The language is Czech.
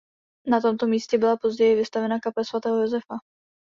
Na tomto místě byla později vystavena kaple svatého Josefa.